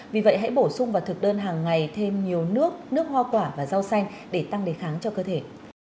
vì vậy hãy bổ sung vào thực đơn hàng ngày thêm nhiều nước nước hoa quả và rau xanh để tăng đề kháng cho cơ thể